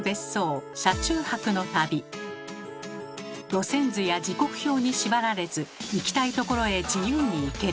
路線図や時刻表に縛られず行きたい所へ自由に行ける。